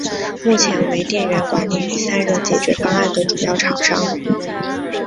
目前为电源管理与散热解决方案的主要厂商。